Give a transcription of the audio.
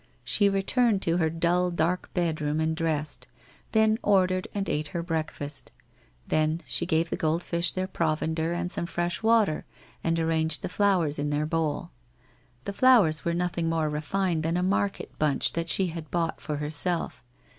She returned to her dull dark bedroom and dressed, then ordered and ate her breakfast. Then she gave the goldfish their provender, and some fresh water, and arranged the flowers in their bowl. The flowers were nothing more refined than a market bunch that she bought for herself.